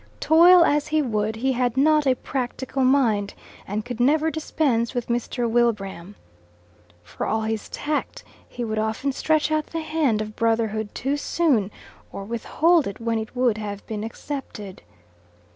Toil as he would, he had not a practical mind, and could never dispense with Mr. Wilbraham. For all his tact, he would often stretch out the hand of brotherhood too soon, or withhold it when it would have been accepted.